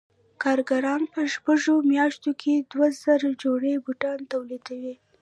کارګران په شپږو میاشتو کې دوه زره جوړې بوټان تولیدوي